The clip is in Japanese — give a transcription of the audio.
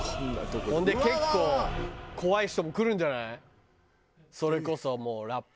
ほんで結構怖い人も来るんじゃない？